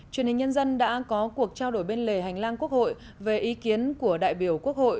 truyền hình nhân dân đã có cuộc trao đổi bên lề hành lang quốc hội về ý kiến của đại biểu quốc hội